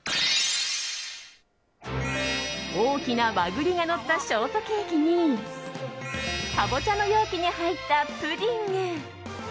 大きな和栗がのったショートケーキにカボチャの容器に入ったプディング。